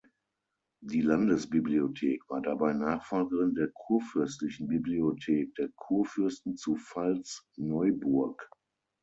Die Landesbibliothek war dabei Nachfolgerin der Kurfürstlichen Bibliothek der Kurfürsten zu Pfalz-Neuburg.